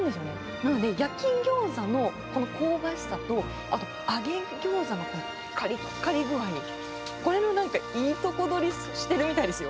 なので、焼き餃子のこの香ばしさと、あと揚げ餃子のこのかりっかり具合、これのいいとこ取りしてるみたいですよ。